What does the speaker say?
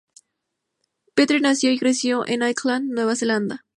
Petrie nació y creció en Auckland, Nueva Zelanda.